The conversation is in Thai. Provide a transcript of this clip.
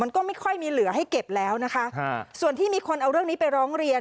ก็ไม่ค่อยมีเหลือให้เก็บแล้วนะคะส่วนที่มีคนเอาเรื่องนี้ไปร้องเรียน